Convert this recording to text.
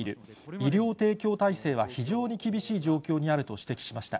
医療提供体制は非常に厳しい状況にあると指摘しました。